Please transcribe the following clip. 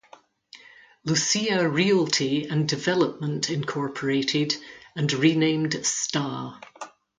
Lucia Realty and Development, Incorporated and renamed Sta.